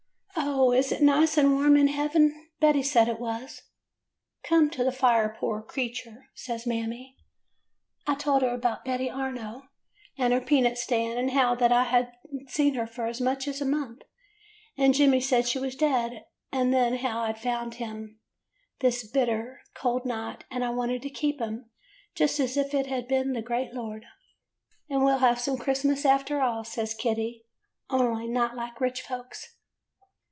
O, is it nice and warm in heaven? Betty said it was.* " 'Come to the fire, poor creetur,* says Mammy. "I told her 'bout Betty Arno and her peanut stand, and how that I had n't seen her for as much as a month, and Jemmy said she was dead. And then how I had found him this bit 163 ] AN EASTER LILY ter cold night, and I wanted to keep him, just as if it had been the great Lord. " *And we 'll have some Christmas after all,' says Kitty, 'only not like rich folks.